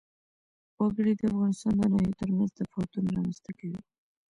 وګړي د افغانستان د ناحیو ترمنځ تفاوتونه رامنځ ته کوي.